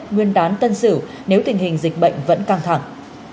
nguyên đán tân sửu nếu tình hình dịch bệnh vẫn căng thẳng